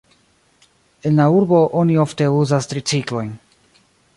En la urbo oni ofte uzas triciklojn.